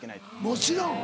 もちろん。